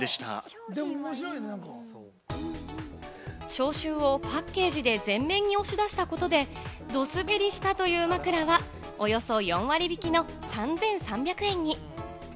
消臭をパッケージで前面に押し出したことでドすべりしたという枕は、およそ４割引きの３３００円に。